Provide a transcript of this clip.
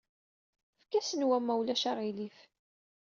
Efk-asen wa, ma ulac aɣilif.